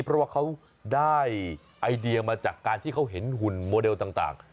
เพราะว่าเขาได้ไอเดียมาจากการที่เขาเห็นหุ่นโมเดลต่าง